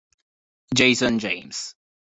Jason James